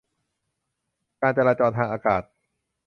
การจราจรทางอากาศ